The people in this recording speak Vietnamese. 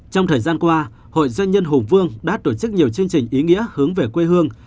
trong thời gian qua hội doanh nhân hùng vương đã tổ chức nhiều chương trình ý nghĩa hướng về quê hương